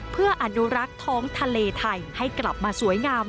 เพื่ออนุรักษ์ท้องทะเลไทยให้กลับมาสวยงาม